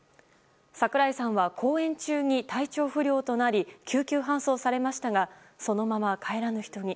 櫻井さんは公演中に体調不良となり救急搬送されましたがそのまま帰らぬ人に。